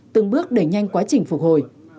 từng bước đẩy nhanh quá trình phục hồi